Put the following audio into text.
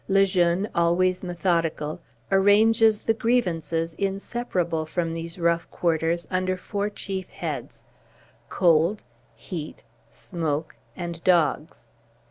Le Jeune, always methodical, arranges the grievances inseparable from these rough quarters under four chief heads, Cold, Heat, Smoke, and Dogs.